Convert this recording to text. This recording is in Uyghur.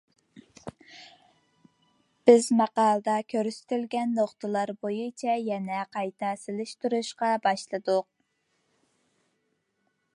بىز ماقالىدە كۆرسىتىلگەن نۇقتىلار بويىچە يەنە قايتا سېلىشتۇرۇشقا باشلىدۇق.